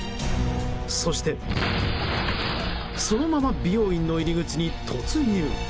そして、そのまま美容院の入り口に突入。